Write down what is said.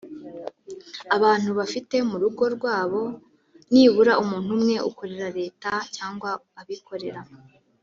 Abantu bafite mu rugo rwabo nibura umuntu umwe ukorera Leta cyangwa abikorera